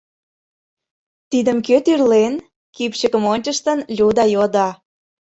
— Тидым кӧ тӱрлен? — кӱпчыкым ончыштын, Люда йодо.